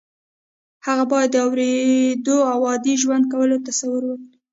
هغه باید د اورېدو او عادي ژوند کولو تصور وکړي